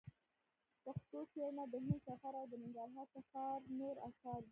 پښتو څېړنه د هند سفر او د ننګرهار سفر نور اثار دي.